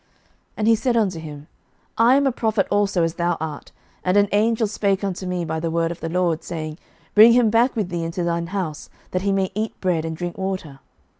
11:013:018 He said unto him, I am a prophet also as thou art; and an angel spake unto me by the word of the LORD, saying, Bring him back with thee into thine house, that he may eat bread and drink water.